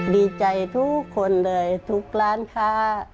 ดีใจทุกคนเลยทุกร้านค้า